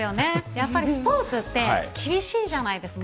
やっぱりスポーツって、厳しいじゃですか。